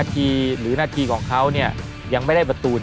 ทีหรือนาทีของเขายังไม่ได้ประตู